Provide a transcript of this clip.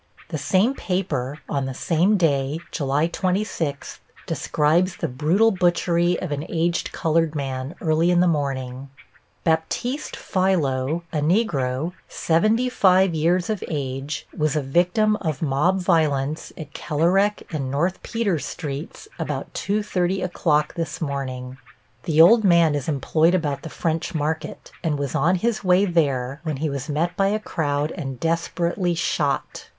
The same paper, on the same day, July 26, describes the brutal butchery of an aged colored man early in the morning: Baptiste Philo, a Negro, seventy five years of age, was a victim of mob violence at Kerlerec and North Peters Streets about 2:30 o'clock this morning. The old man is employed about the French Market, and was on his way there when he was met by a crowd and desperately shot.